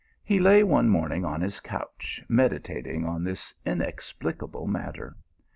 " He lay one morning on his couch meditating on this inexplicable matter.